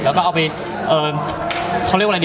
แล้วก็เอาไปเขาเรียกว่าอะไรดี